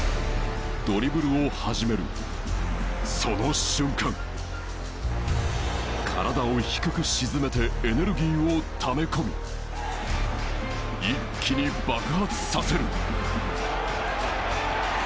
ドリブルを始めるその瞬間体を低く沈めてエネルギーをため込み一気に爆発させる